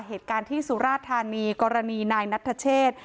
เหตุการณ์ที่สุราธานีกรณีนายนัทเชษ